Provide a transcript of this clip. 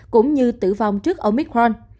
cũng như tử vong trước omicron